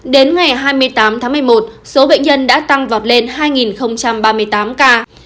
đến ngày hai mươi tám tháng một mươi một số bệnh nhân đã tăng vọt lên hai ba mươi tám ca